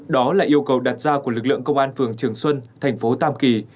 đó là yêu cầu đặt ra của lực lượng công an phường trường xuân thành phố tam kỳ